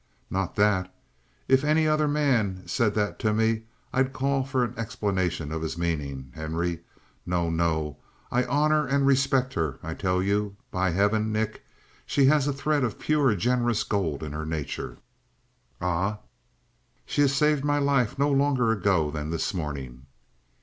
"Not that! If any other man said this to me, I'd call for an explanation of his meaning, Henry. No, no! I honor and respect her, I tell you. By heaven, Nick, she has a thread of pure, generous gold in her nature!" "Ah?" "She has saved my life no longer ago than this morning."